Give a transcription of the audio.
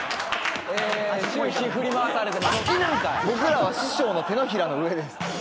僕らは師匠の手のひらの上です。